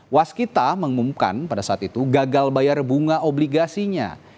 waskita mengumumkan pada saat itu gagal bayar bunga obligasinya